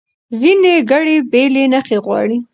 ځینې ګړې بېلې نښې غواړي.